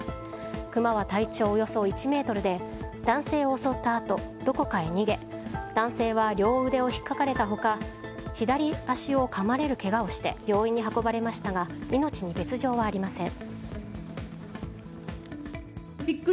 クマは体長およそ１ｍで男性を襲ったあと、どこかへ逃げ男性は両腕を引っかかれた他左足をかまれるけがをして病院に運ばれましたが命に別条はありません。